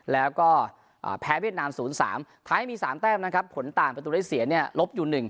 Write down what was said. แล้วก็แพ้เวียดนาม๐๓ไทยมี๓แต้มนะครับผลต่างประตูได้เสียเนี่ยลบอยู่๑